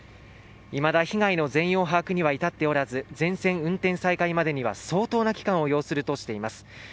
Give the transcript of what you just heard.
いまだ被害の全容把握には至っておらず全線運転再開までには相当な期間を要するとしています。